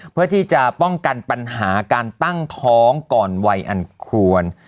เพื่อที่จะป้องกันปัญหาการตั้งท้องก่อนวัยอันควร